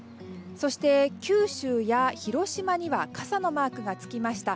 そして、九州や広島には傘のマークが付きました。